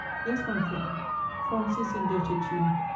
Yes, my friend, France is indebted to you.